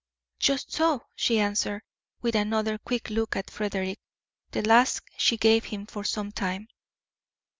"Just so," she answered, with another quick look at Frederick, the last she gave him for some time.